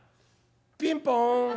「ピンポン！